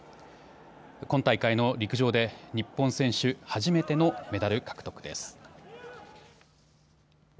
今大会の陸上で日本選手初めてのメダル獲得です。